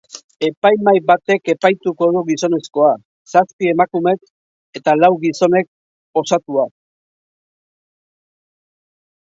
Epaimahai batek epaituko du gizonezkoa, zazpi emakumek eta lau gizonek osatua.